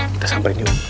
kita samperin yuk